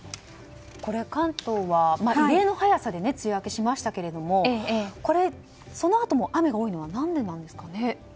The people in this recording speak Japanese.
関東は異例の早さで梅雨明けしましたけどそのあとも雨が多いのは何でなんですかね。